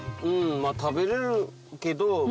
まぁ食べれるけど。